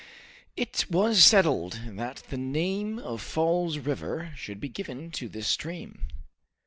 It was settled that the name of Falls River should be given to this stream.